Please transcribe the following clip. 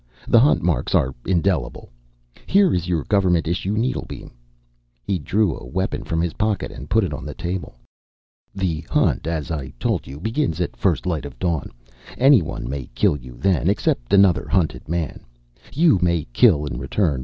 "The hunt marks are indelible. Here is your government issue needlebeam." He drew a weapon from his pocket and put it on the table. "The Hunt, as I told you, begins at first light of dawn. Anyone may kill you then, except another Hunted man. You may kill in return.